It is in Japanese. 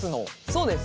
そうです。